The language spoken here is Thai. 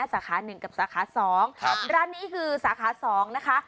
สาขาหนึ่งกับสาขาสองครับร้านนี้คือสาขาสองนะคะ